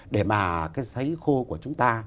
để mà cái xấy khô của chúng ta